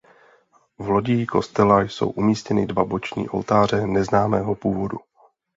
V lodí kostela jsou umístěny dva boční oltáře neznámého původu.